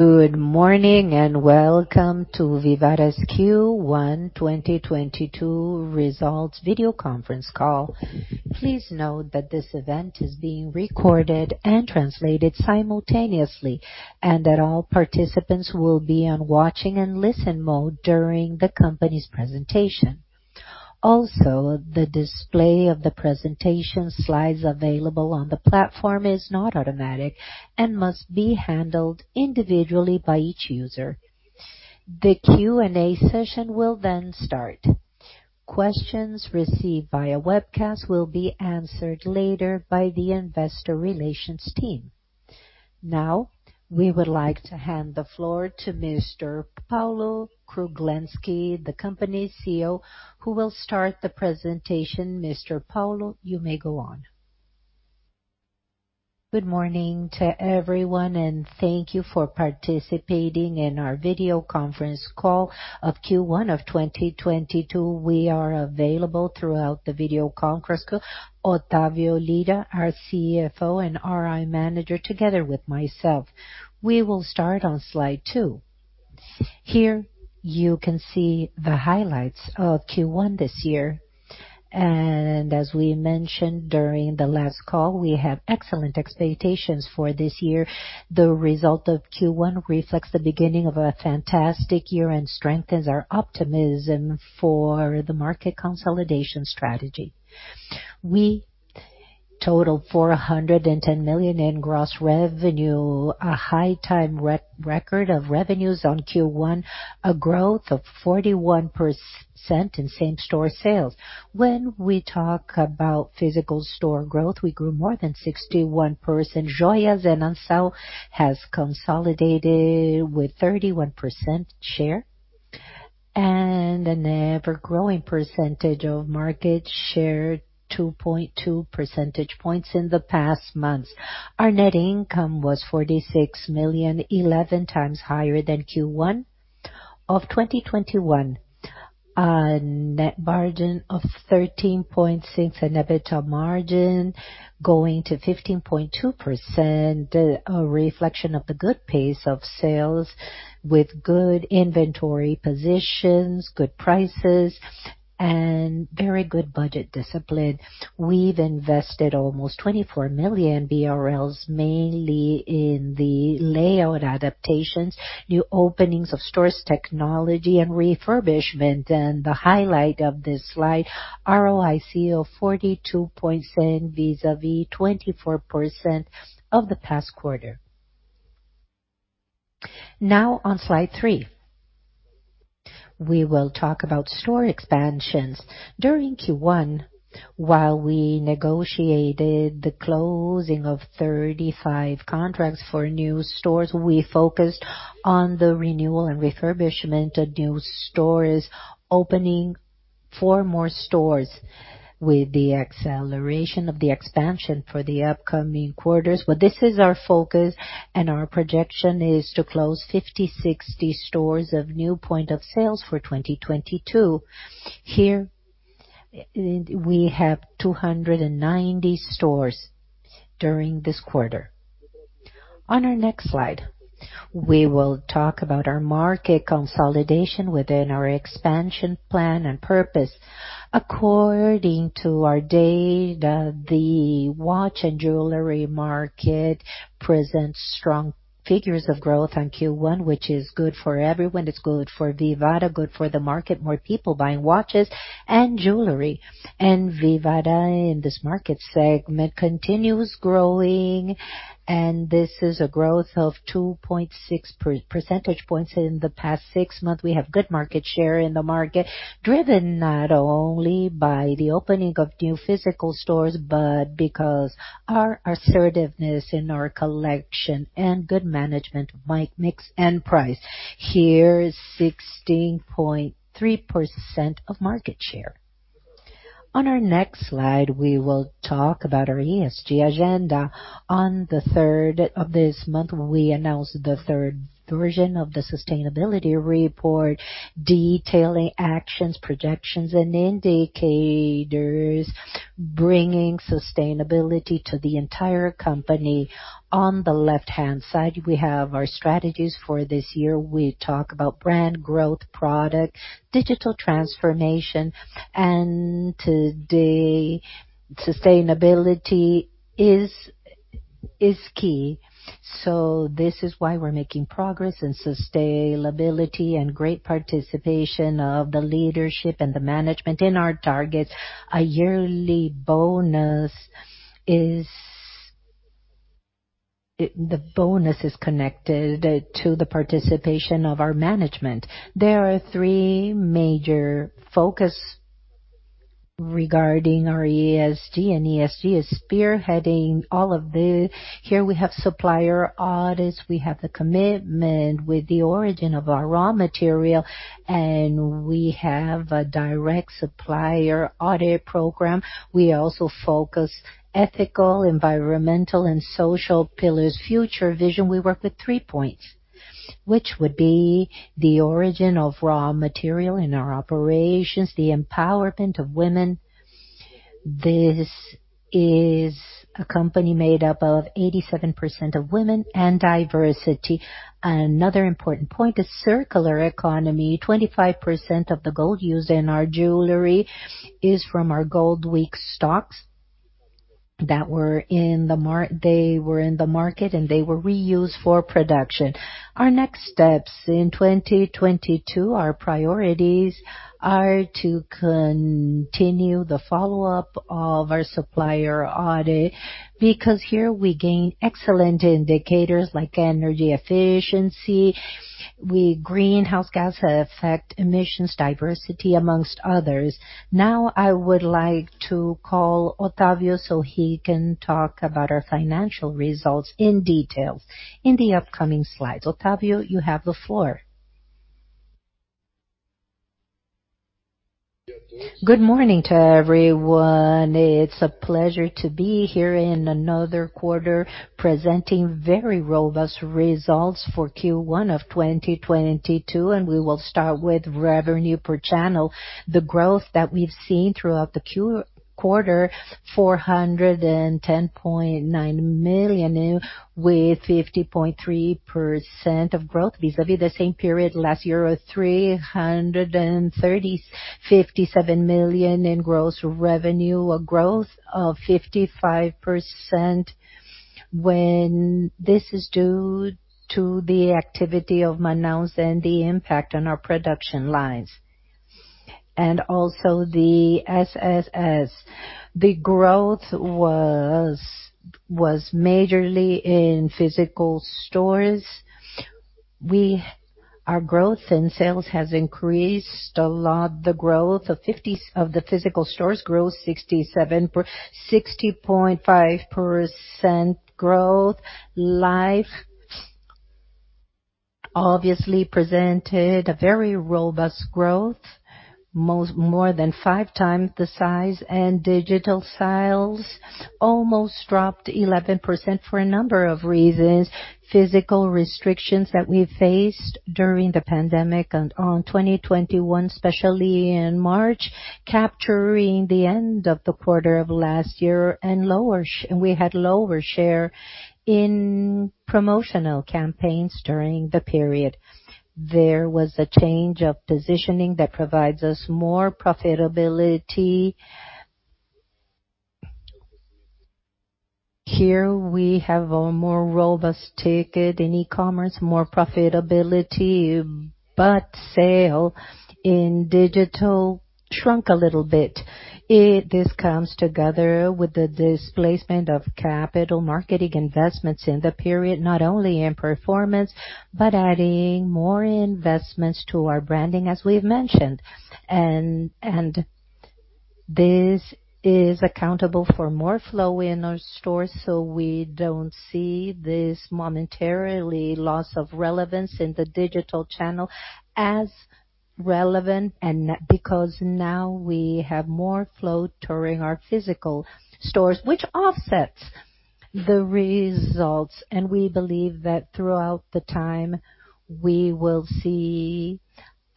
Good morning, and welcome to Vivara's Q1 2022 results video conference call. Please note that this event is being recorded and translated simultaneously, and that all participants will be in listen-only mode during the company's presentation. Also, the display of the presentation slides available on the platform is not automatic and must be handled individually by each user. The Q&A session will then start. Questions received via webcast will be answered later by the investor relations team. Now we would like to hand the floor to Mr. Paulo Kruglensky, the company's CEO, who will start the presentation. Mr. Paulo, you may go on. Good morning to everyone, and thank you for participating in our video conference call of Q1 2022. We are available throughout the video conference call. Otavio Lyra, our CFO and RI Manager, together with myself. We will start on slide two. Here you can see the highlights of Q1 this year. As we mentioned during the last call, we have excellent expectations for this year. The result of Q1 reflects the beginning of a fantastic year and strengthens our optimism for the market consolidation strategy. We totaled 410 million in gross revenue, an all-time record of revenues in Q1, a growth of 41% in same store sales. When we talk about physical store growth, we grew more than 61%. Joias e Relógios has consolidated with 31% share and an ever-growing percentage of market share, 2.2 percentage points in the past months. Our net income was 46 million, 11x higher than Q1 of 2021. Net margin of 13.6% and EBITDA margin going to 15.2%, a reflection of the good pace of sales with good inventory positions, good prices and very good budget discipline. We've invested almost 24 million BRL, mainly in the layout adaptations, new openings of stores, technology and refurbishment. The highlight of this slide, ROIC of 42.7% vis-à-vis 24% of the past quarter. Now on slide three, we will talk about store expansions. During Q1, while we negotiated the closing of 35 contracts for new stores, we focused on the renewal and refurbishment of new stores, opening four more stores with the acceleration of the expansion for the upcoming quarters. This is our focus and our projection is to close 50-60 stores of new points of sale for 2022. Here we have 290 stores during this quarter. On our next slide, we will talk about our market consolidation within our expansion plan and purpose. According to our data, the watch and jewelry market presents strong figures of growth on Q1, which is good for everyone. It's good for Vivara, good for the market, more people buying watches and jewelry. Vivara in this market segment continues growing. This is a growth of 2.6 percentage points in the past six months. We have good market share in the market, driven not only by the opening of new physical stores, but because our assertiveness in our collection and good management of product mix and price. Here is 16.3% market share. On our next slide, we will talk about our ESG agenda. On the third of this month, we announced the third version of the sustainability report, detailing actions, projections and indicators, bringing sustainability to the entire company. On the left-hand side, we have our strategies for this year. We talk about brand growth, product, digital transformation, and today, sustainability is key. This is why we're making progress in sustainability and great participation of the leadership and the management in our targets. A yearly bonus is connected to the participation of our management. There are three major focus regarding our ESG, and ESG is spearheading all of the. Here we have supplier audits. We have the commitment with the origin of our raw material, and we have a direct supplier audit program. We also focus ethical, environmental, and social pillars future vision, we work with three points, which would be the origin of raw material in our operations, the empowerment of women. This is a company made up of 87% of women and diversity. Another important point, a circular economy. 25% of the gold used in our jewelry is from our Gold Week stocks that were in the market, and they were reused for production. Our next steps in 2022, our priorities are to continue the follow-up of our supplier audit because here we gain excellent indicators like energy efficiency, greenhouse gas emissions, diversity, amongst others. Now I would like to call Otavio so he can talk about our financial results in detail in the upcoming slides. Otavio, you have the floor. Good morning to everyone. It's a pleasure to be here in another quarter presenting very robust results for Q1 of 2022, and we will start with revenue per channel. The growth that we've seen throughout the quarter, BRL 410.9 million, with 50.3% growth vis-à-vis the same period last year of 330 million, 57 million in gross revenue, a growth of 55%. This is due to the activity of Manaus and the impact on our production lines. Also the SSS. The growth was majorly in physical stores. Our growth in sales has increased a lot. The growth of the physical stores grew 60.5% growth. Life obviously presented a very robust growth, more than five times the size. Digital sales almost dropped 11% for a number of reasons. Physical restrictions that we faced during the pandemic and in 2021, especially in March, capturing the end of the quarter of last year, and lower share in promotional campaigns during the period. There was a change of positioning that provides us more profitability. Here we have a more robust ticket in e-commerce, more profitability, but sale in digital shrunk a little bit. This comes together with the displacement of capital marketing investments in the period, not only in performance, but adding more investments to our branding, as we've mentioned. This accounts for more flow in our stores, so we don't see this momentary loss of relevance in the digital channel as relevant because now we have more flow to our physical stores, which offsets the results. We believe that throughout the time, we will see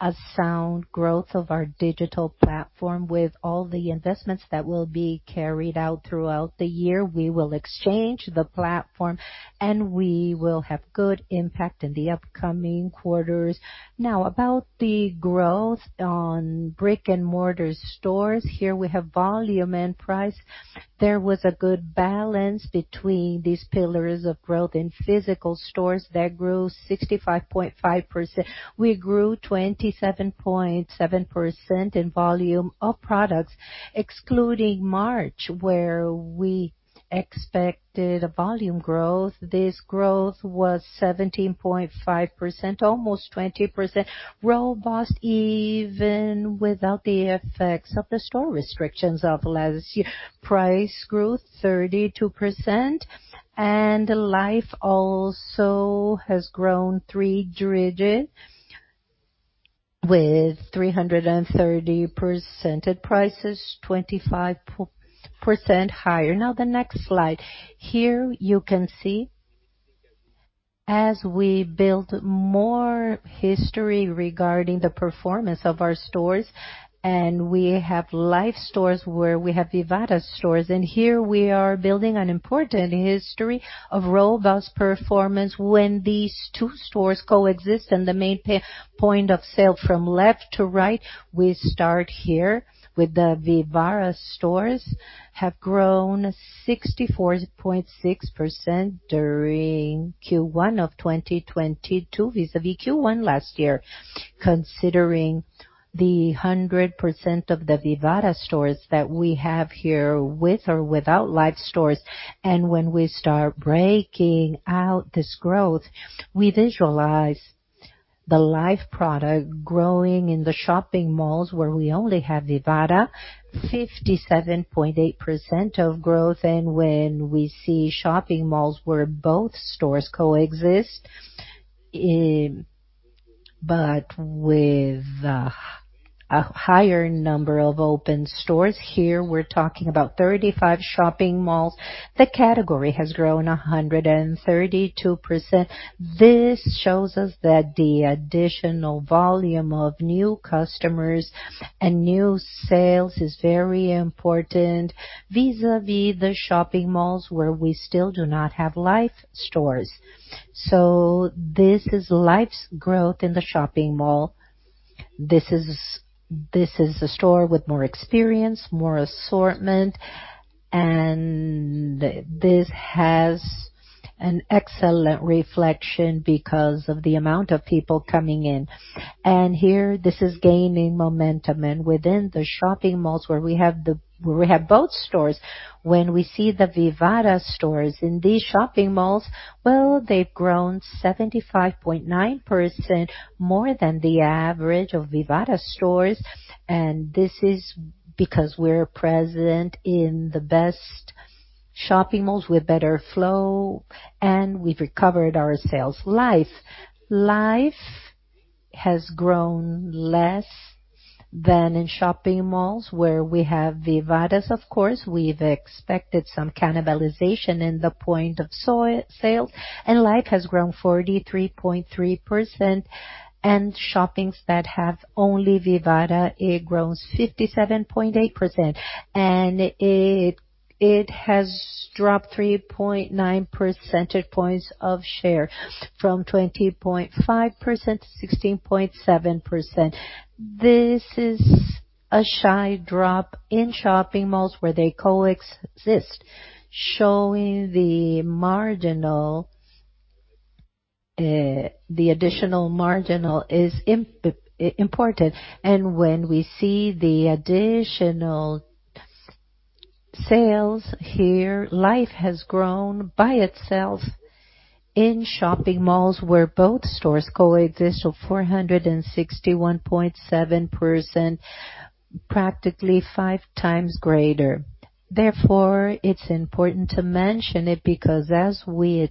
a sound growth of our digital platform with all the investments that will be carried out throughout the year. We will exchange the platform, and we will have good impact in the upcoming quarters. Now about the growth on brick-and-mortar stores. Here we have volume and price. There was a good balance between these pillars of growth in physical stores that grew 65.5%. We grew 27.7% in volume of products, excluding March, where we expected a volume growth. This growth was 17.5%, almost 20%. Robust even without the effects of the store restrictions of last year. Price grew 32%, and Life also has grown three digits with 330% at prices 25% higher. Now the next slide. Here you can see as we build more history regarding the performance of our stores, and we have Life stores where we have Vivara stores. Here we are building an important history of robust performance when these two stores coexist. The main point of sale from left to right, we start here with the Vivara stores, have grown 64.6% during Q1 of 2022 vis-à-vis Q1 last year. Considering the 100% of the Vivara stores that we have here with or without Life stores. When we start breaking out this growth, we visualize the Life product growing in the shopping malls where we only have Vivara, 57.8% of growth. When we see shopping malls where both stores coexist, but with a higher number of open stores. Here, we're talking about 35 shopping malls. The category has grown 132%. This shows us that the additional volume of new customers and new sales is very important vis-à-vis the shopping malls where we still do not have Life stores. This is Life's growth in the shopping mall. This is a store with more experience, more assortment, and this has an excellent reflection because of the amount of people coming in. Here, this is gaining momentum. Within the shopping malls where we have both stores, when we see the Vivara stores in these shopping malls, well, they've grown 75.9% more than the average of Vivara stores. This is because we're present in the best shopping malls with better flow, and we've recovered our sales. Life has grown less than in shopping malls where we have Vivara's, of course. We've expected some cannibalization in the point of sales, and Life has grown 43.3%. Shippings that have only Vivara, it grows 57.8%, and it has dropped 3.9 percentage points of share from 20.5% to 16.7%. This is a slight drop in shopping malls where they coexist, showing the marginal, the additional marginal is important. When we see the additional sales here, Life has grown by itself in shopping malls where both stores coexist. 461.7%, practically five times greater. Therefore, it's important to mention it because as we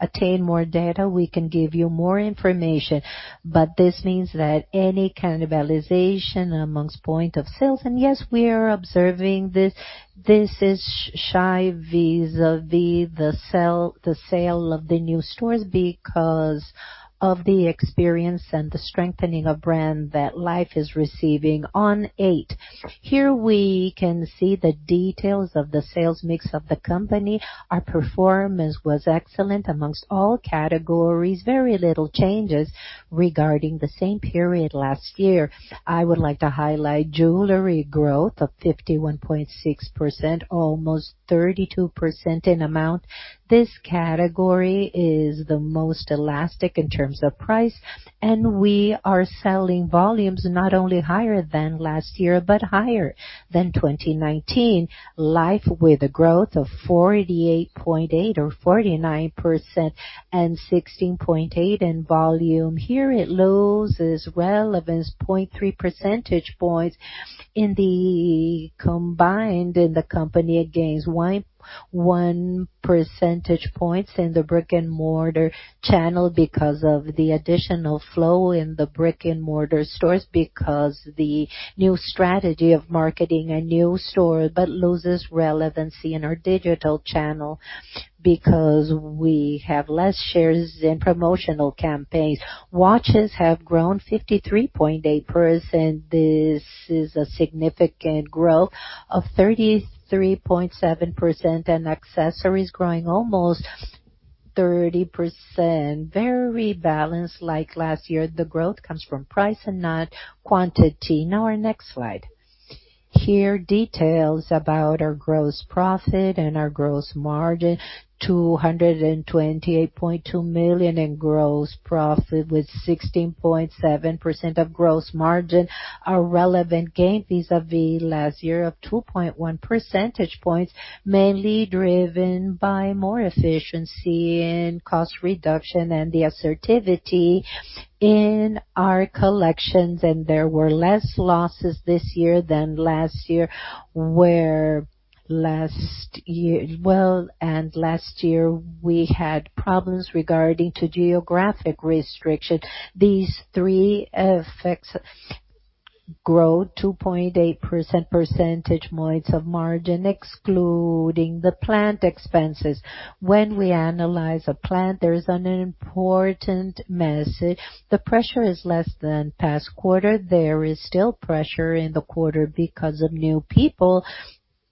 attain more data, we can give you more information. This means that any cannibalization amongst point of sales, and yes, we are observing this. This is shy vis-à-vis the sale of the new stores because of the experience and the strengthening of brand that Life is receiving. On eight. Here, we can see the details of the sales mix of the company. Our performance was excellent among all categories. Very little changes regarding the same period last year. I would like to highlight jewelry growth of 51.6%, almost 32% in amount. This category is the most elastic in terms of price, and we are selling volumes not only higher than last year, but higher than 2019. Life, with a growth of 48.8% or 49% and 16.8% in volume. Here, it loses relevance 0.3 percentage points. In the combined, in the company, it gains one percentage point in the brick-and-mortar channel because of the additional flow in the brick-and-mortar stores because of the new strategy of marketing a new store, but loses relevancy in our digital channel because we have less shares in promotional campaigns. Watches have grown 53.8%. This is a significant growth of 33.7%, and accessories growing almost 30%. Very balanced like last year. The growth comes from price and not quantity. Now, our next slide. Here, details about our gross profit and our gross margin. 228.2 million in gross profit with 16.7% gross margin. A relevant gain vis-à-vis last year of 2.1 percentage points, mainly driven by more efficiency in cost reduction and the assertiveness in our collections, and there were fewer losses this year than last year. Last year, we had problems regarding geographic restrictions. These three effects grew 2.8 percentage points of margin, excluding the planned expenses. When we analyze the plan, there is an important message. The pressure is less than past quarter. There is still pressure in the quarter because of new people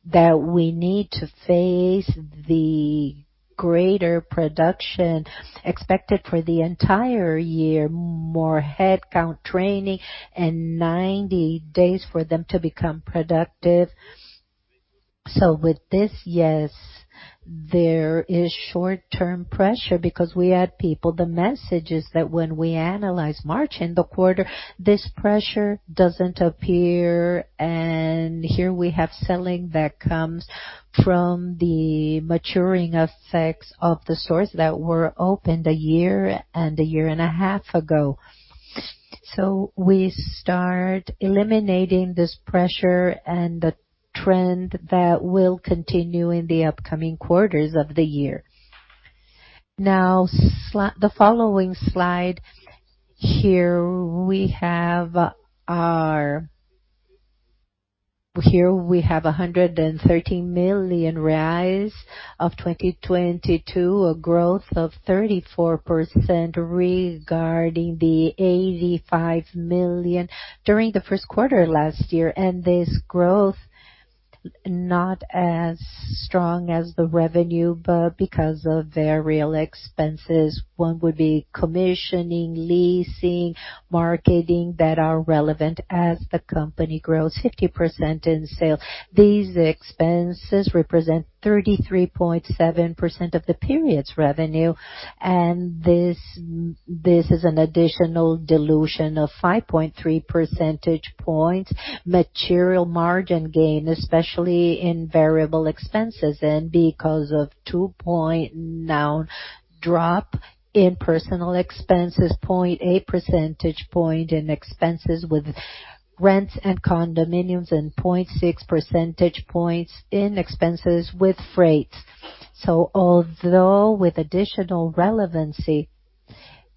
that we need for the greater production expected for the entire year, more headcount training and 90 days for them to become productive. With this, yes, there is short-term pressure because we add people. The message is that when we analyze March and the quarter, this pressure doesn't appear. Here we have selling that comes from the maturing effects of the stores that were opened a year and a year and a half ago. We start eliminating this pressure and the trend that will continue in the upcoming quarters of the year. The following slide. Here we have 113 million of 2022, a growth of 34% regarding the 85 million during the first quarter last year. This growth not as strong as the revenue, but because of their real expenses. One would be commissioning, leasing, marketing that are relevant as the company grows 50% in sales. These expenses represent 33.7% of the period's revenue. This is an additional dilution of 5.3 percentage points, material margin gain, especially in variable expenses. Because of 2.0% drop in personal expenses, 0.8 percentage point in expenses with rents and condominiums, and 0.6 percentage points in expenses with freight. Although with additional relevancy,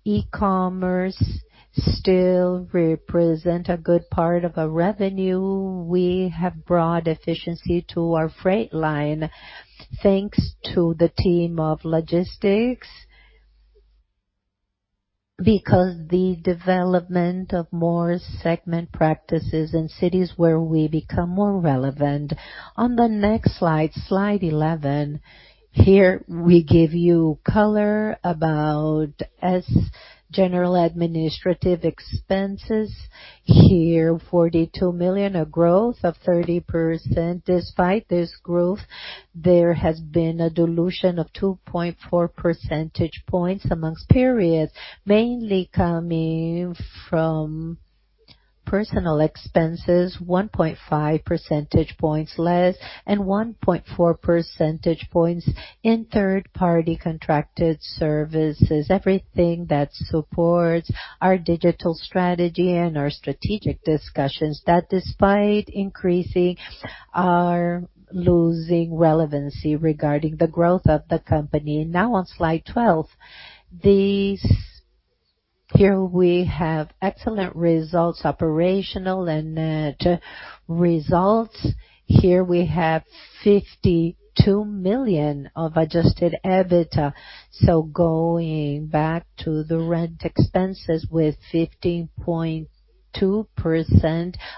e-commerce still represent a good part of our revenue. We have brought efficiency to our freight line, thanks to the team of logistics. Because the development of more segment practices in cities where we become more relevant. On the next slide 11, here we give you color about as general administrative expenses. Here, 42 million, a growth of 30%. Despite this growth, there has been a dilution of 2.4 percentage points among periods, mainly coming from personal expenses, 1.5 percentage points less and 1.4 percentage points in third-party contracted services. Everything that supports our digital strategy and our strategic discussions that despite increasing are losing relevancy regarding the growth of the company. Now on slide 12. Here we have excellent results, operational and net results. Here we have 52 million of Adjusted EBITDA. Going back to the rent expenses with 15.2%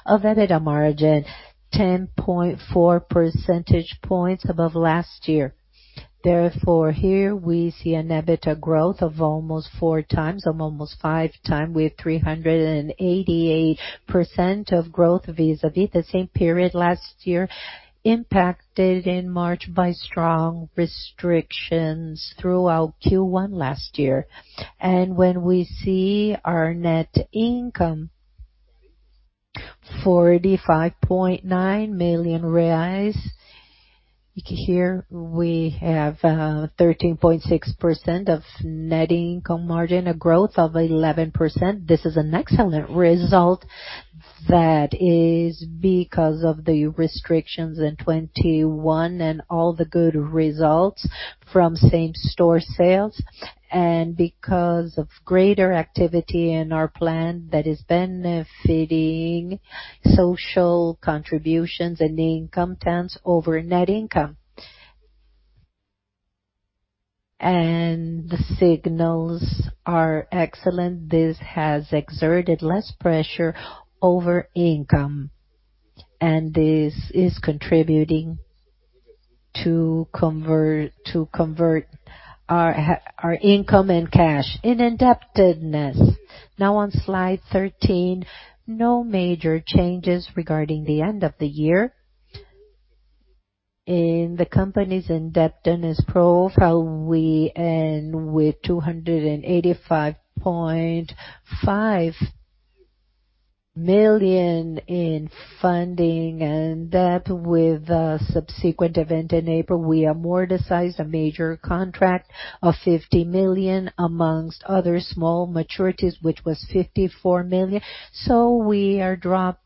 of EBITDA margin, 10.4 percentage points above last year. Therefore, here we see an EBITDA growth of almost four times, of almost five times with 388% of growth vis-à-vis the same period last year, impacted in March by strong restrictions throughout Q1 last year. When we see our net income, 45.9 million reais. Here we have 13.6% of net income margin, a growth of 11%. This is an excellent result that is because of the restrictions in 2021 and all the good results from same-store sales, and because of greater activity in our plan that is benefiting social contributions and income tax over net income. The signals are excellent. This has exerted less pressure over income, and this is contributing to convert our income and cash in indebtedness. Now on slide 13, no major changes regarding the end of the year. In the company's indebtedness profile, we end with 285.5 million in funding and debt. With a subsequent event in April, we amortized a major contract of 50 million, among other small maturities, which was 54 million. We are dropping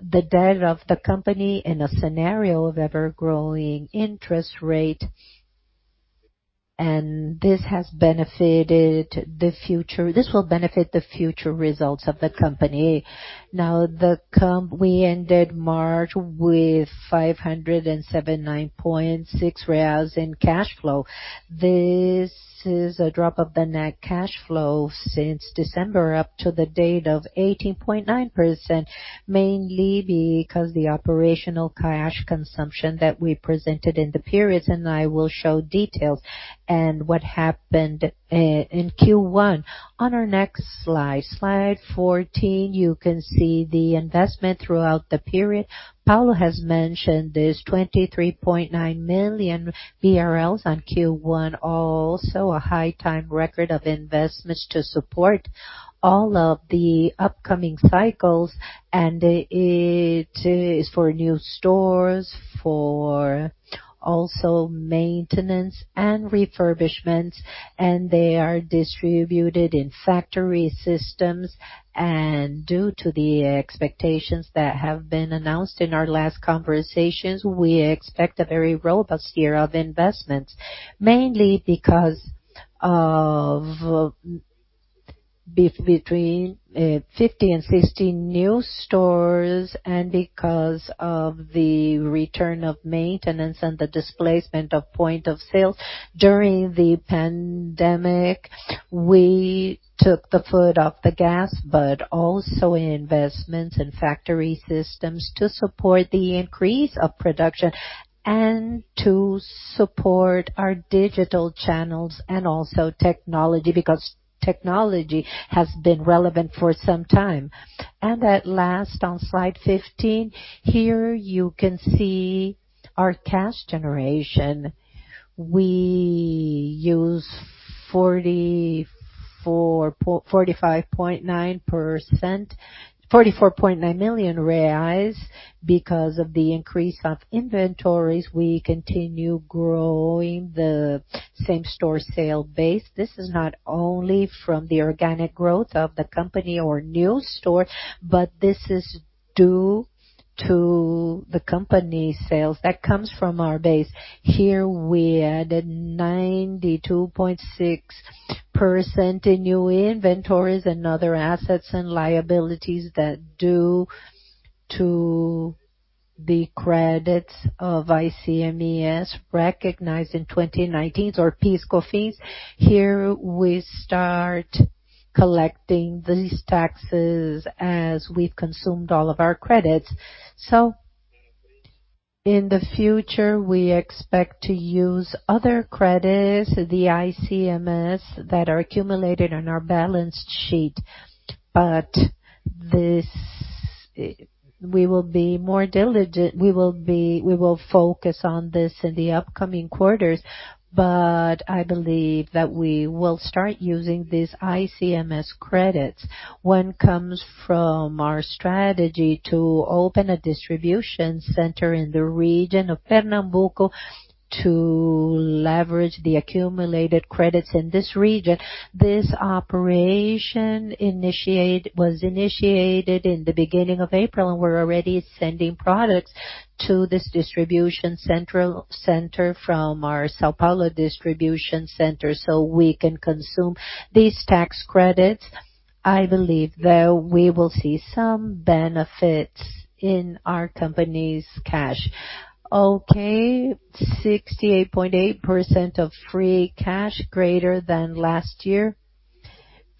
the debt of the company in a scenario of ever-growing interest rate, and this will benefit the future results of the company. We ended March with 579.6 reais in cash flow. This is a drop of the net cash flow since December up to the date of 18.9%, mainly because the operational cash consumption that we presented in the periods, and I will show details and what happened in Q1. On our next slide 14, you can see the investment throughout the period. Paulo has mentioned this 23.9 million BRL on Q1, also a high time record of investments to support all of the upcoming cycles, and it is for new stores, for also maintenance and refurbishments, and they are distributed in factory systems. Due to the expectations that have been announced in our last conversations, we expect a very robust year of investments, mainly because of between 50 and 60 new stores, and because of the return of maintenance and the displacement of points of sale during the pandemic, we took the foot off the gas, but also investments in factory systems to support the increase of production and to support our digital channels and also technology, because technology has been relevant for some time. At last, on slide 15, here you can see our cash generation. We used 44.9 million reais because of the increase of inventories. We continue growing the same-store sales base. This is not only from the organic growth of the company or new store, but this is due to the company sales that comes from our base. Here we added 92.6% in new inventories and other assets and liabilities that due to the credits of ICMS recognized in 2019 or PIS/COFINS. Here we start collecting these taxes as we've consumed all of our credits. In the future, we expect to use other credits, the ICMS that are accumulated on our balance sheet. This, we will be more diligent. We will focus on this in the upcoming quarters, but I believe that we will start using these ICMS credits. One comes from our strategy to open a distribution center in the region of Pernambuco to leverage the accumulated credits in this region. This operation was initiated in the beginning of April, and we're already sending products to this distribution center from our São Paulo distribution center so we can consume these tax credits. I believe that we will see some benefits in our company's cash. Okay. 68.8% of free cash greater than last year.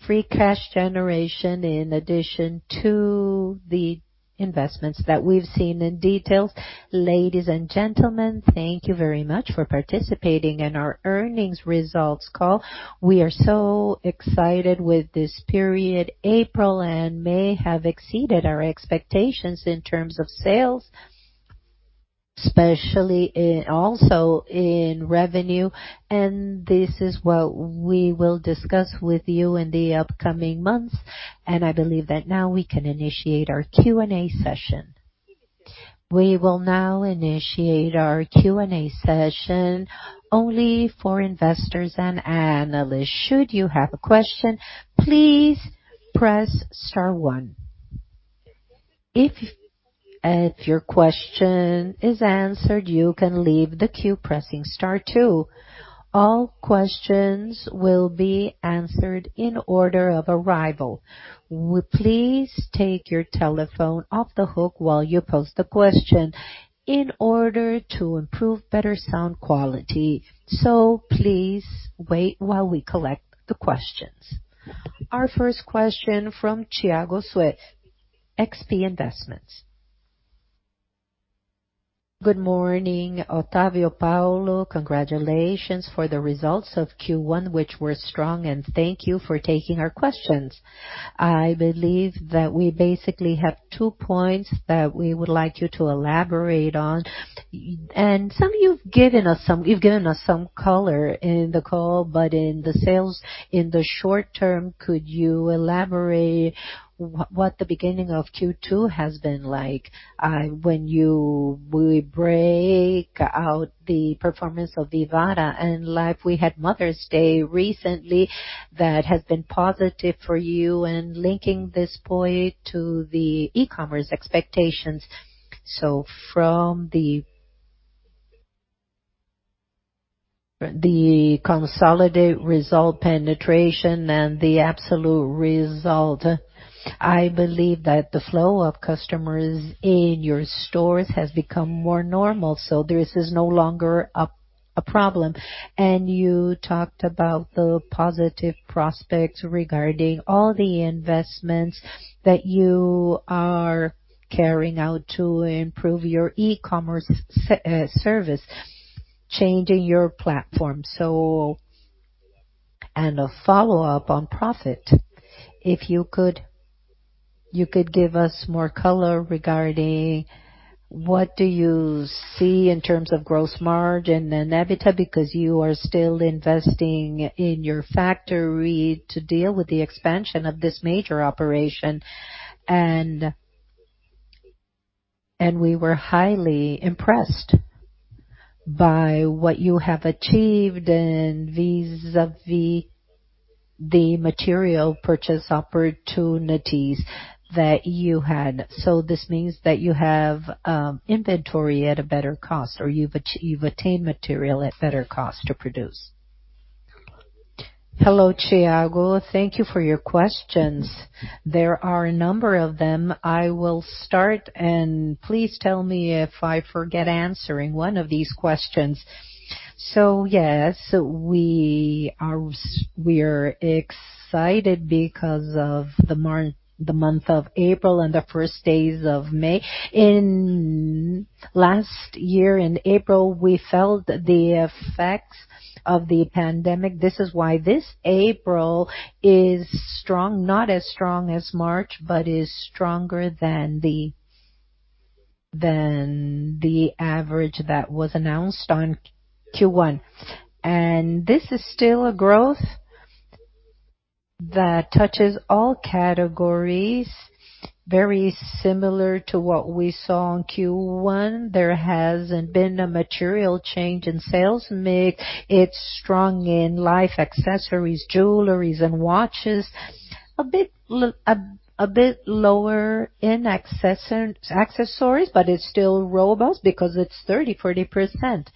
Free cash generation in addition to the investments that we've seen in details. Ladies and gentlemen, thank you very much for participating in our earnings results call. We are so excited with this period. April and May have exceeded our expectations in terms of sales, especially in revenue. This is what we will discuss with you in the upcoming months. I believe that now we can initiate our Q&A session. We will now initiate our Q&A session only for investors and analysts. Should you have a question, please press star one. If your question is answered, you can leave the queue pressing star two. All questions will be answered in order of arrival. Please take your telephone off the hook while you pose the question in order to improve sound quality. Please wait while we collect the questions. Our first question from Thiago Suedt, XP Investimentos. Good morning, Otavio Lyra, Paulo Kruglensky. Congratulations for the results of Q1, which were strong, and thank you for taking our questions. I believe that we basically have two points that we would like you to elaborate on. Some of you have given us some color in the call, but on the sales in the short term, could you elaborate what the beginning of Q2 has been like, when we break out the performance of Vivara, like we had Mother's Day recently that has been positive for you and linking this point to the e-commerce expectations. From the consolidated results penetration and the absolute results, I believe that the flow of customers in your stores has become more normal, this is no longer a problem. You talked about the positive prospects regarding all the investments that you are carrying out to improve your e-commerce service, changing your platform. A follow-up on profits, if you could give us more color regarding what you see in terms of gross margin and EBITDA, because you are still investing in your factory to deal with the expansion of this major operation. We were highly impressed by what you have achieved vis-à-vis the material purchase opportunities that you had. This means that you have inventory at a better cost, or you've attained material at better cost to produce. Hello, Thiago. Thank you for your questions. There are a number of them. I will start and please tell me if I forget answering one of these questions. Yes, we are excited because of the month of April and the first days of May. In last year, in April, we felt the effects of the pandemic. This is why this April is strong, not as strong as March, but is stronger than the average that was announced on Q1. This is still a growth that touches all categories, very similar to what we saw in Q1. There hasn't been a material change in sales mix. It's strong in Life accessories, jewelry and watches. A bit lower in accessories, but it's still robust because it's 30%-40%.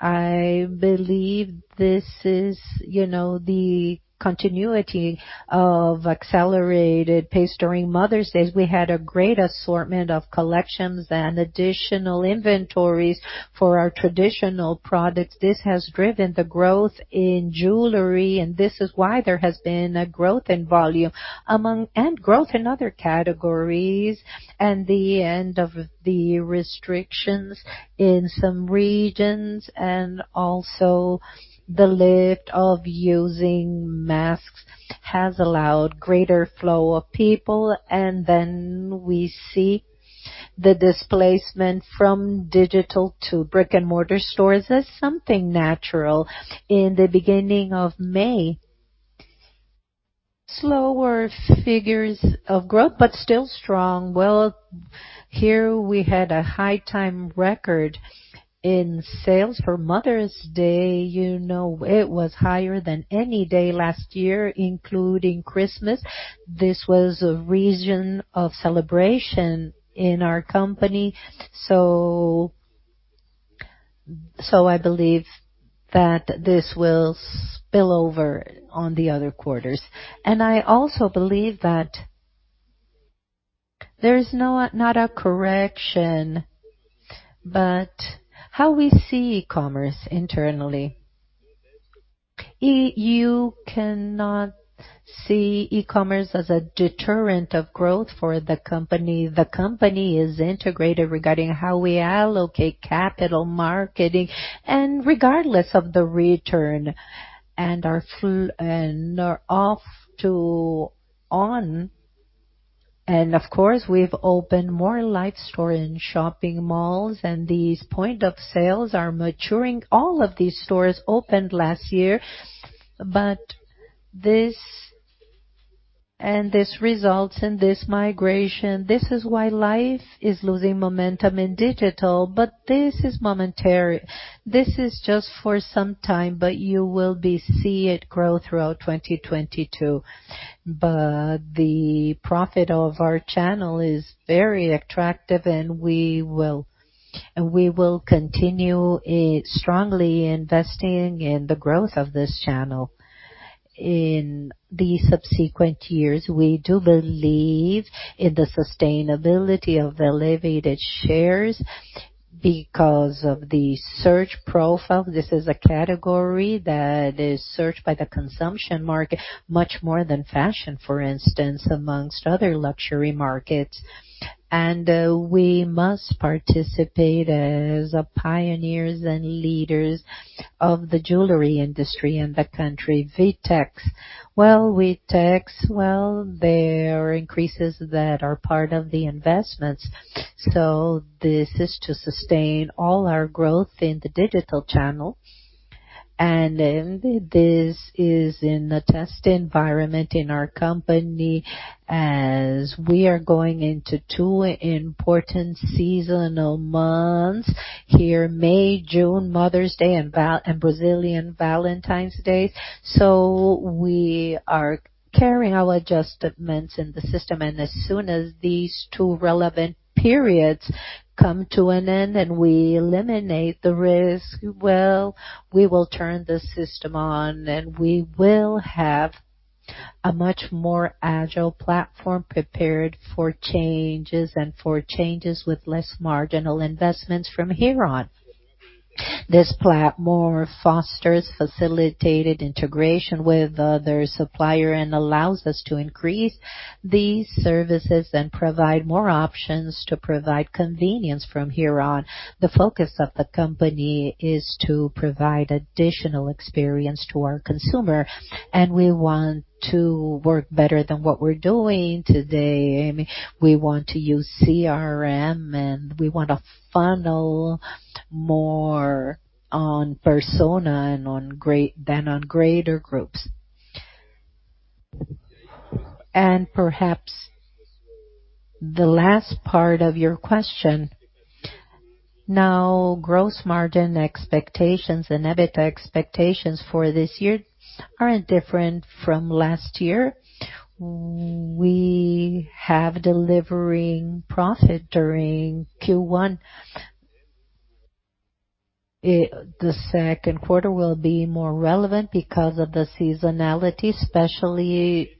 I believe this is, you know, the continuity of accelerated pace during Mother's Days. We had a great assortment of collections and additional inventories for our traditional products. This has driven the growth in jewelry, and this is why there has been a growth in volume and growth in other categories. The end of the restrictions in some regions, and also the lift of using masks has allowed greater flow of people. We see the displacement from digital to brick-and-mortar stores as something natural. In the beginning of May, slower figures of growth, but still strong. Well, here we had an all-time record in sales for Mother's Day. You know, it was higher than any day last year, including Christmas. This was a reason of celebration in our company. I believe that this will spill over on the other quarters. I also believe that there is no correction, but how we see e-commerce internally. You cannot see e-commerce as a deterrent of growth for the company. The company is integrated regarding how we allocate capital, marketing, and regardless of the return offline and online. Of course, we've opened more Life stores in shopping malls, and these points of sale are maturing. All of these stores opened last year. This results in this migration. This is why Life is losing momentum in digital. This is momentary. This is just for some time, but you will see it grow throughout 2022. The profitability of our channel is very attractive, and we will continue strongly investing in the growth of this channel. In the subsequent years, we do believe in the sustainability of the elevated shares because of the search profile. This is a category that is searched by the consumption market much more than fashion, for instance, among other luxury markets. We must participate as pioneers and leaders of the jewelry industry in the country. VTEX. Well, VTEX, well, there are increases that are part of the investments. This is to sustain all our growth in the digital channel. This is in the test environment in our company as we are going into two important seasonal months here, May, June, Mother's Day, and Brazilian Valentine's Day. We are carrying our adjustments in the system, and as soon as these two relevant periods come to an end and we eliminate the risk, well, we will turn the system on, and we will have a much more agile platform prepared for changes with less marginal investments from here on. This platform fosters facilitated integration with other suppliers and allows us to increase these services and provide more options to provide convenience from here on. The focus of the company is to provide additional experience to our consumer, and we want to work better than what we're doing today. We want to use CRM, and we want to focus more on persona and on greater than on greater groups. Perhaps the last part of your question. Now, gross margin expectations and EBITDA expectations for this year aren't different from last year. We have delivering profit during Q1. The second quarter will be more relevant because of the seasonality, especially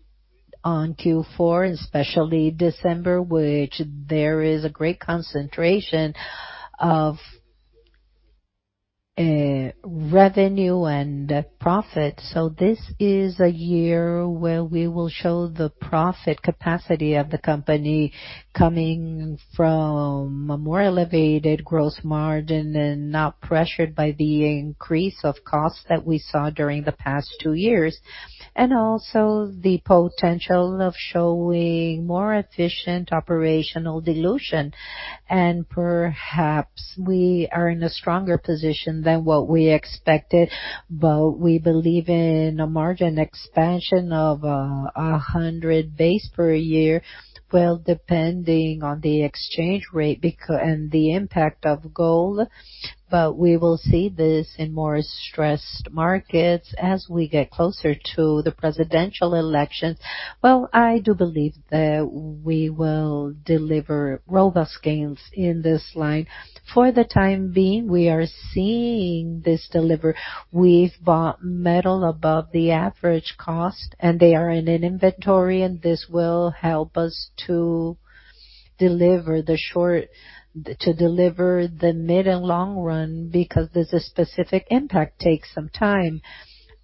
on Q4, especially December, which there is a great concentration of revenue and profit. This is a year where we will show the profit capacity of the company coming from a more elevated gross margin and not pressured by the increase of costs that we saw during the past two years. The potential of showing more efficient operational dilution. Perhaps we are in a stronger position than what we expected, but we believe in a margin expansion of 100 basis points per year. Depending on the exchange rate and the impact of gold. We will see this in more stressed markets as we get closer to the presidential elections. I do believe that we will deliver robust gains in this line. For the time being, we are seeing this deliver. We've bought metal above the average cost, and they are in an inventory, and this will help us to deliver the mid and long run because there's a specific impact takes some time,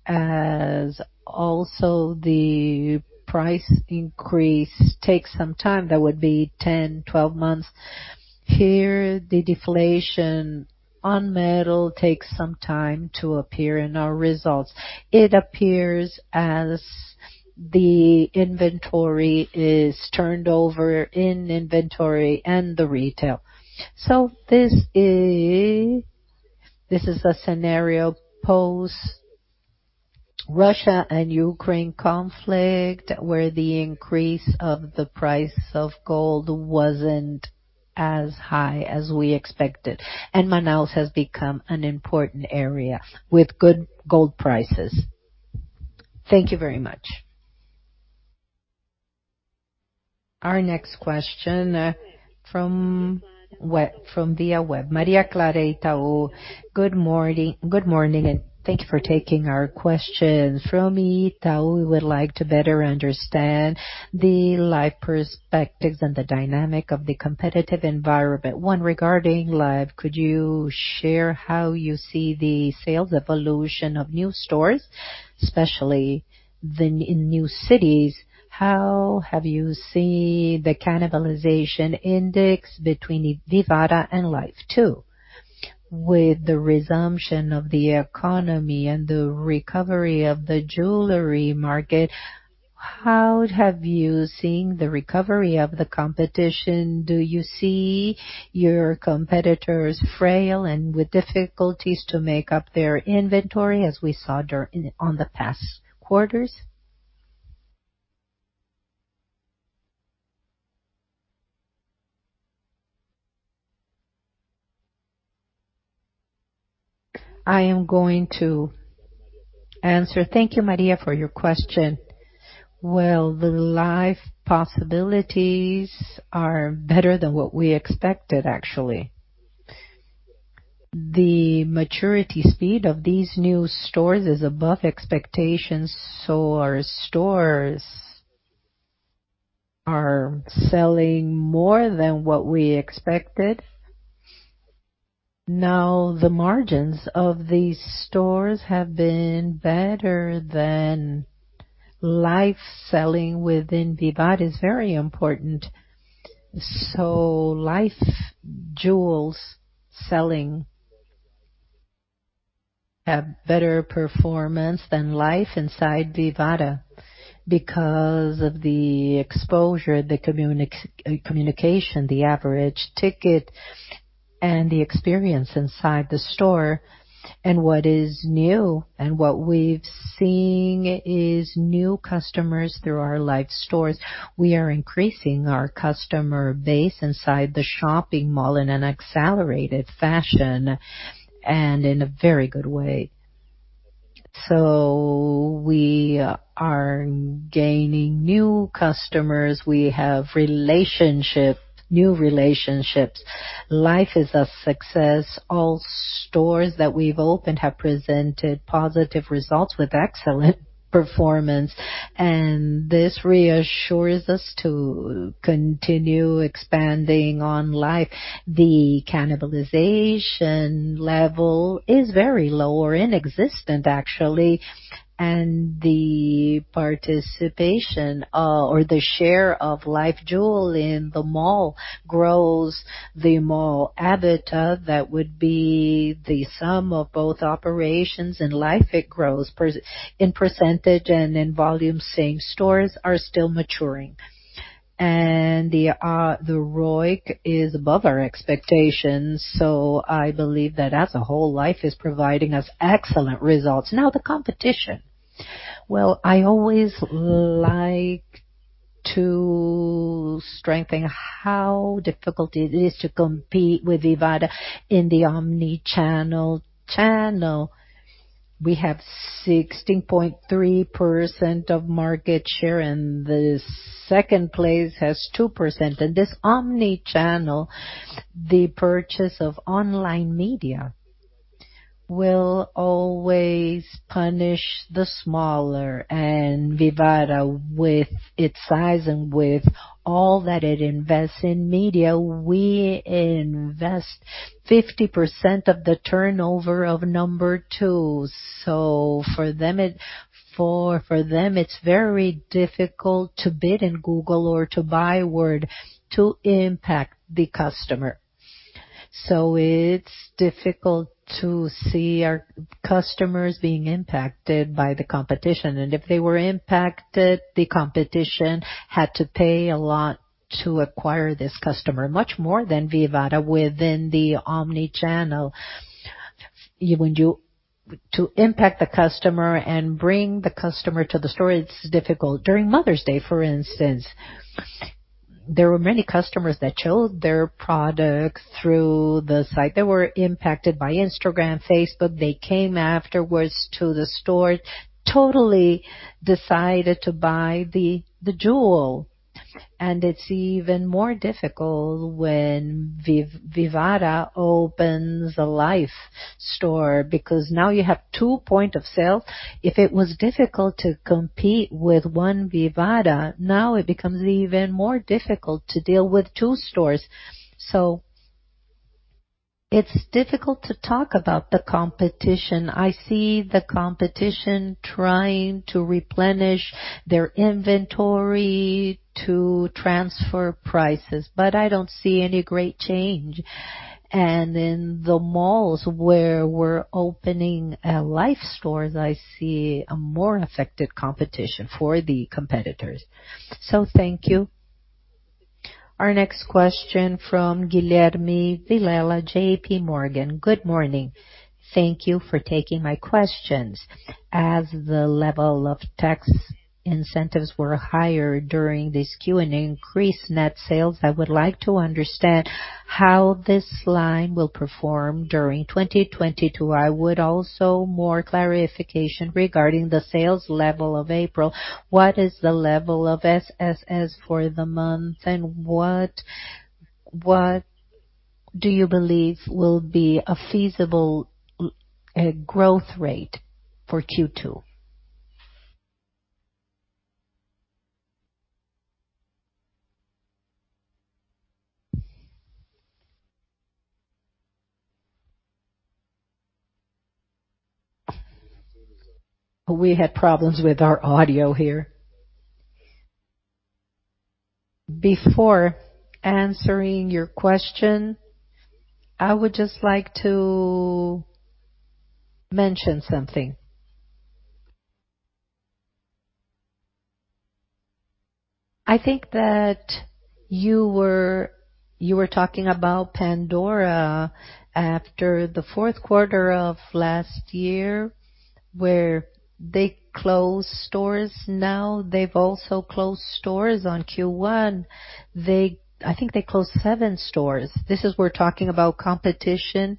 as also the price increase takes some time. That would be 10, 12 months. Here, the deflation on metal takes some time to appear in our results. It appears as the inventory is turned over in inventory and the retail. This is a scenario post Russia and Ukraine conflict, where the increase of the price of gold wasn't as high as we expected. Manaus has become an important area with good gold prices. Thank you very much. Our next question from via web. Maria Clara, Itaú. Good morning, Good morning, and thank you for taking our questions. From me, Itaú, we would like to better understand the Life perspectives and the dynamic of the competitive environment. One, regarding Life, could you share how you see the sales evolution of new stores, especially in new cities? How have you seen the cannibalization index between Vivara and Life too? With the resumption of the economy and the recovery of the jewelry market, how have you seen the recovery of the competition? Do you see your competitors frail and with difficulties to make up their inventory as we saw on the past quarters? I am going to answer. Thank you, Maria, for your question. Well, the Life possibilities are better than what we expected, actually. The maturity speed of these new stores is above expectations. Our stores are selling more than what we expected. Now, the margins of these stores have been better than Life selling within Vivara is very important. Life jewels selling have better performance than Life inside Vivara because of the exposure, the communication, the average ticket, and the experience inside the store. What is new and what we've seen is new customers through our Life stores. We are increasing our customer base inside the shopping mall in an accelerated fashion and in a very good way. We are gaining new customers. We have new relationships. Life is a success. All stores that we've opened have presented positive results with excellent performance, and this reassures us to continue expanding on Life. The cannibalization level is very low or inexistent, actually. The participation, or the share of Life jewelry in the mall grows the mall EBITDA. That would be the sum of both operations. In Life, it grows in percentage and in volume. Same stores are still maturing. The ROIC is above our expectations. I believe that as a whole, Life is providing us excellent results. Now, the competition. Well, I always like to strengthen how difficult it is to compete with Vivara in the omni-channel. We have 16.3% of market share, and the second place has 2%. This omni-channel, the purchase of online media, will always punish the smaller. Vivara, with its size and with all that it invests in media, we invest 50% of the turnover of number two. For them, it's very difficult to bid in Google or to buy word to impact the customer. It's difficult to see our customers being impacted by the competition. If they were impacted, the competition had to pay a lot to acquire this customer, much more than Vivara within the omni-channel. To impact the customer and bring the customer to the store, it's difficult. During Mother's Day, for instance, there were many customers that chose their products through the site. They were impacted by Instagram, Facebook. They came afterwards to the store, totally decided to buy the jewel. It's even more difficult when Vivara opens a Life store, because now you have two points of sale. If it was difficult to compete with one Vivara, now it becomes even more difficult to deal with two stores. It's difficult to talk about the competition. I see the competition trying to replenish their inventory to transfer prices, but I don't see any great change. In the malls where we're opening Life stores, I see a more affected competition for the competitors. Thank you. Our next question from Guilherme Vilela, JPMorgan. Good morning. Thank you for taking my questions. As the level of tax incentives were higher during this Q and increased net sales, I would like to understand how this line will perform during 2022. I would also like more clarification regarding the sales level of April. What is the level of SSS for the month? What do you believe will be a feasible growth rate for Q2? We had problems with our audio here. Before answering your question, I would just like to mention something. I think that you were talking about Pandora after the fourth quarter of last year, where they closed stores. Now they've also closed stores on Q1. I think they closed seven stores. We're talking about competition,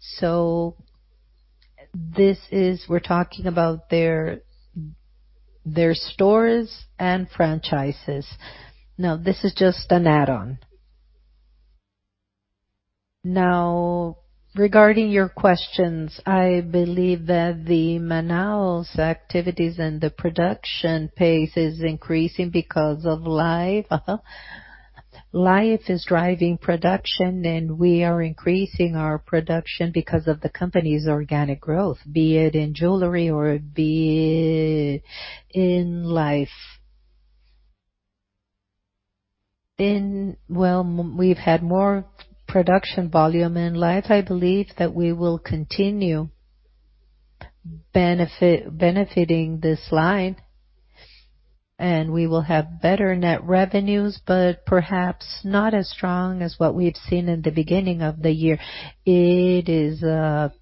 so we're talking about their stores and franchises. Now, this is just an add-on. Now, regarding your questions, I believe that the Manaus activities and the production pace is increasing because of life. Life is driving production, and we are increasing our production because of the company's organic growth, be it in jewelry or be it in life. We've had more production volume in life. I believe that we will continue benefiting this line, and we will have better net revenues, but perhaps not as strong as what we've seen in the beginning of the year. It is a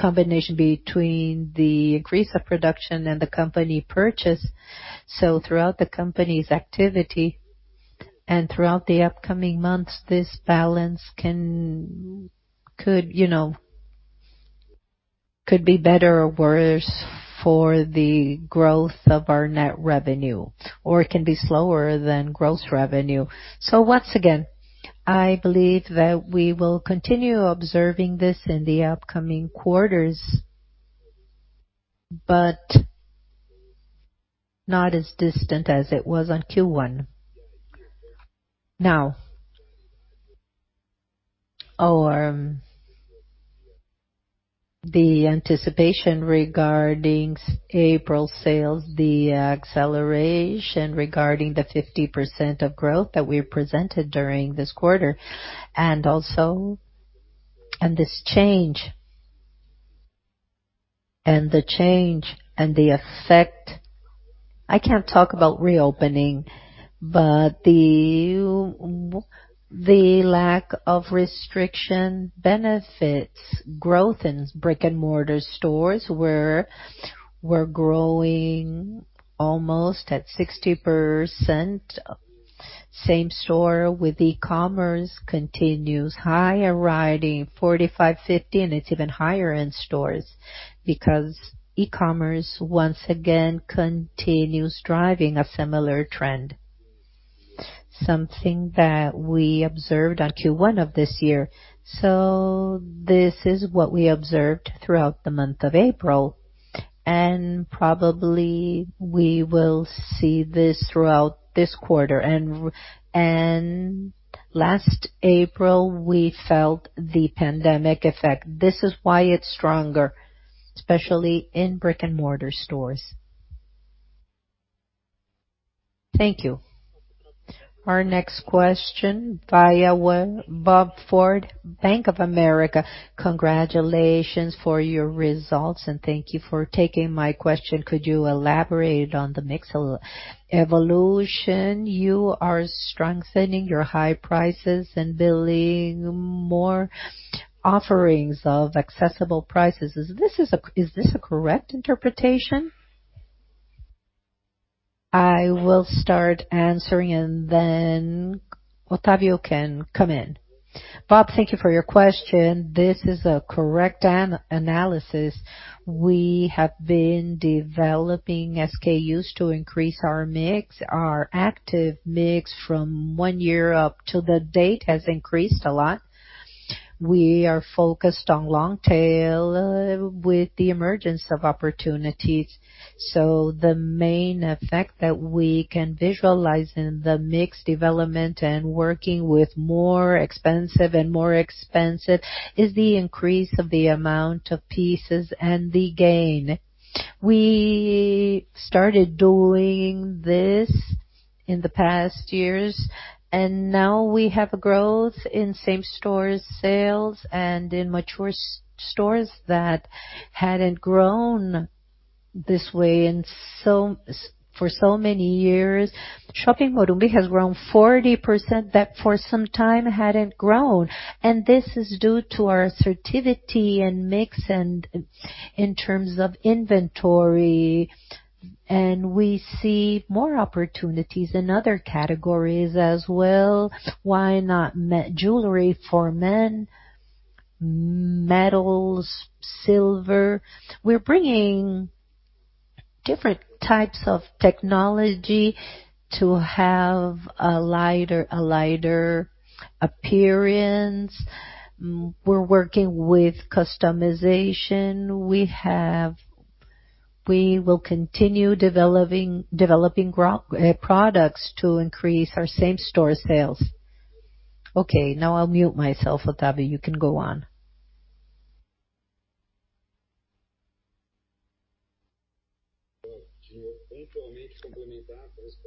combination between the increase of production and the company purchase. Throughout the company's activity and throughout the upcoming months, this balance could, you know, be better or worse for the growth of our net revenue, or it can be slower than gross revenue. Once again, I believe that we will continue observing this in the upcoming quarters, but not as distant as it was on Q1. Now, the anticipation regarding April sales, the acceleration regarding the 50% of growth that we presented during this quarter, and also this change and the effect. I can't talk about reopening, but the lack of restriction benefits growth in brick-and-mortar stores. We're growing almost at 60%. Same store with e-commerce continues high and rising 45%, 50%, and it's even higher in stores because e-commerce once again continues driving a similar trend, something that we observed on Q1 of this year. This is what we observed throughout the month of April, and probably we will see this throughout this quarter. Last April, we felt the pandemic effect. This is why it's stronger, especially in brick-and-mortar stores. Thank you. Our next question, via web, Robert Ford Aguilar, Bank of America Merrill Lynch. Congratulations for your results, and thank you for taking my question. Could you elaborate on the mix of evolution? You are strengthening your high prices and building more offerings of accessible prices. Is this a correct interpretation? I will start answering, and then Otavio can come in. Bob, thank you for your question. This is a correct analysis. We have been developing SKUs to increase our mix. Our active mix from one year up to the date has increased a lot. We are focused on long tail with the emergence of opportunities. The main effect that we can visualize in the mix development and working with more expensive and more expensive is the increase of the amount of pieces and the gain. We started doing this in the past years, and now we have a growth in same-store sales and in mature stores that hadn't grown this way for so many years. Shopping Morumbi has grown 40% that for some time hadn't grown, and this is due to our assertiveness and mix and in terms of inventory. We see more opportunities in other categories as well. Why not men's jewelry for men, metals, silver? We're bringing different types of technology to have a lighter appearance. We're working with customization. We will continue developing products to increase our same-store sales. Okay, now I'll mute myself. Otavio, you can go on.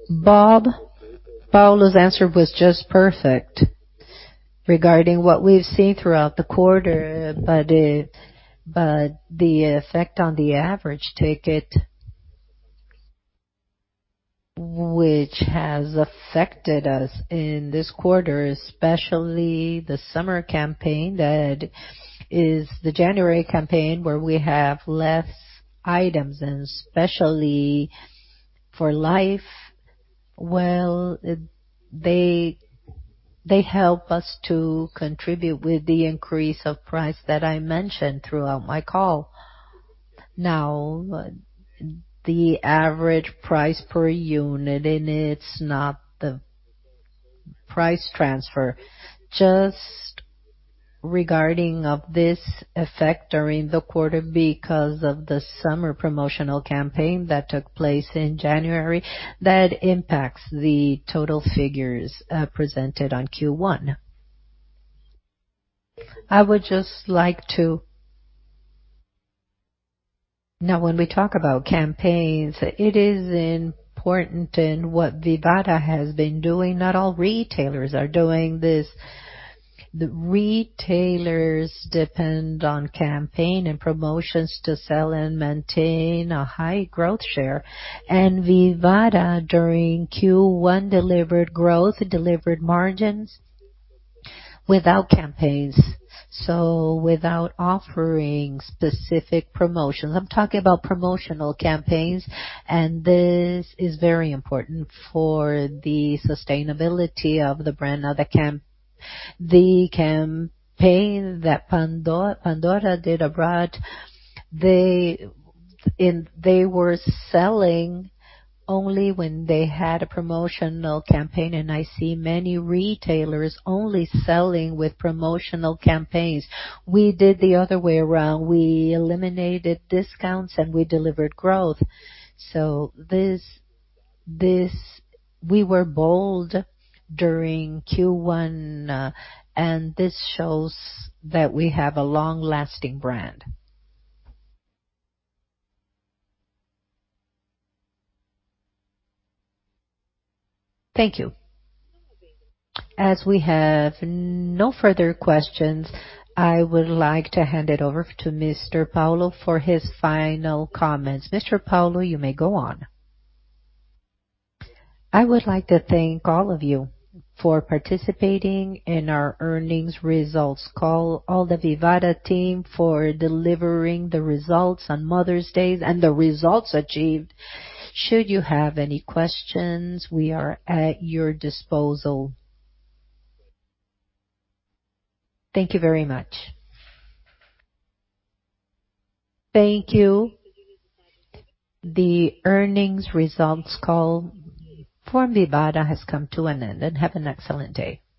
Bob, Paulo's answer was just perfect regarding what we've seen throughout the quarter, but the effect on the average ticket, which has affected us in this quarter, especially the summer campaign, that is the January campaign, where we have less items and especially for Life. Well, they help us to contribute with the increase of price that I mentioned throughout my call. Now, the average price per unit, and it's not the price transfer, just regarding of this effect during the quarter because of the summer promotional campaign that took place in January, that impacts the total figures, presented on Q1. Now, when we talk about campaigns, it is important in what Vivara has been doing. Not all retailers are doing this. The retailers depend on campaign and promotions to sell and maintain a high growth share. Vivara, during Q1, delivered growth, delivered margins without campaigns, so without offering specific promotions. I'm talking about promotional campaigns, and this is very important for the sustainability of the brand. Now the campaign that Pandora did abroad, they were selling only when they had a promotional campaign. I see many retailers only selling with promotional campaigns. We did the other way around. We eliminated discounts, and we delivered growth. This we were bold during Q1, and this shows that we have a long-lasting brand. Thank you. As we have no further questions, I would like to hand it over to Mr. Paulo for his final comments. Mr. Paulo, you may go on. I would like to thank all of you for participating in our earnings results call, all the Vivara team for delivering the results on Mother's Day and the results achieved. Should you have any questions, we are at your disposal. Thank you very much. Thank you. The earnings results call for Vivara has come to an end. Have an excellent day.